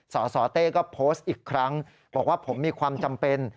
สสเต้ก็โพสต์อีกครั้งบอกว่าผมมีความจำเป็น